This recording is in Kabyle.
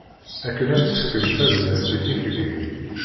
Akken ad tefkem tazmert i tikli.